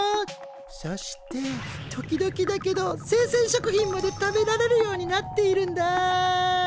そして時々だけどせいせん食品まで食べられるようになっているんだ。